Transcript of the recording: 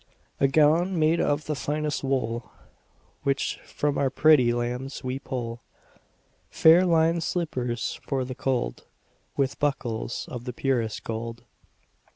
A gown made of the finest wool Which from our pretty lambs we pull; Fair linèd slippers for the cold, 15 With buckles of the purest gold.